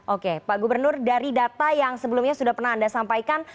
oke pak gubernur dari data yang sebelumnya sudah pernah anda sampaikan